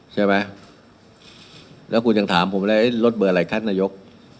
ใช่ไหมแล้วคุณยังถามผมเลยรถเบอร์อะไรคะนายก